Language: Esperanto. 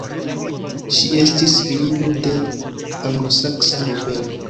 Ŝi estis filino de anglosaksa nobelo.